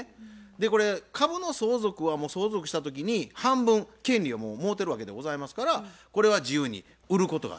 これ株の相続はもう相続した時に半分権利をもうもろてるわけでございますからこれは自由に売ることができると。